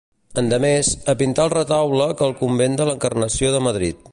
Endemés, a pintar el retaule per al convent de l'Encarnació de Madrid.